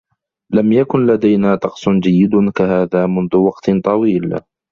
لم يكن لدينا طقس جيد كهذا منذ وقت طويل.